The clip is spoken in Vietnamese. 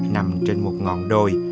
nằm trên một ngọn đồi